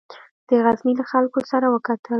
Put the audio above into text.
د غزني له خلکو سره وکتل.